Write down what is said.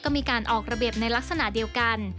ก็มีการออกระเบียบในลักษณะเดียวกัน